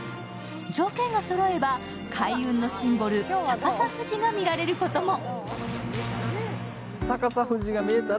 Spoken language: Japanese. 条件がそろえば開運のシンボル逆さ富士が見られることも。